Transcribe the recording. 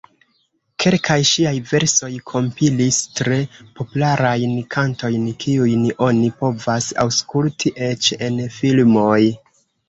Kelkaj ŝiaj versoj kompilis tre popularajn kantojn, kiujn oni povas aŭskulti eĉ en filmoj.